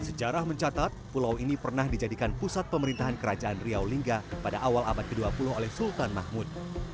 sejarah mencatat pulau ini pernah dijadikan pusat pemerintahan kerajaan riau lingga pada awal abad ke dua puluh oleh sultan mahmud